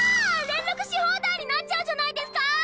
連絡し放題になっちゃうじゃないですか！